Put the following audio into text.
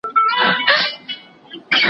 ما د ښوونځي کتابونه مطالعه کړي دي؟!